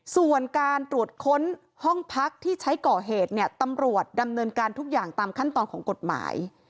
ส่วนการตรวจค้นห้องพักที่ใช้ก่อเหตุเนี่ยตำรวจดำเนินการทุกอย่างตามขั้นตอนของกฎหมาย